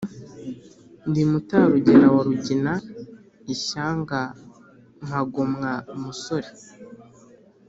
ndi mutarugera wa rugina, ishyanga mpagomwa umusore.